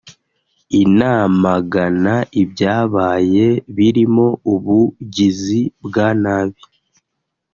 inamagana ibyabaye birimo ubugizi bwa nabi